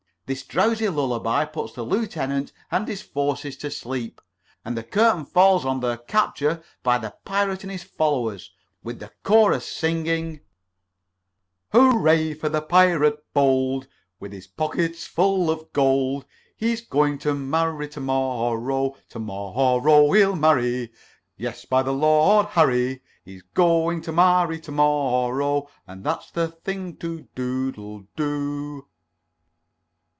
This drowsy lullaby puts the lieutenant and his forces to sleep, and the curtain falls on their capture by the pirate and his followers, with the chorus singing: "Hooray for the pirate bold, With his pockets full of gold; He's going to marry to morrow. To morrow he'll marry, Yes, by the Lord Harry, He's go ing to marry to mor row! And that's a thing to doodle doodle doo."